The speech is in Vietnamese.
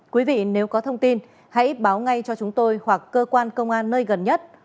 quý vị nếu có thông tin hãy báo ngay cho chúng tôi hoặc cơ quan công an nơi gần nhất